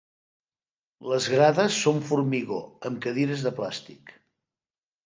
Les grades són formigó, amb cadires de plàstic.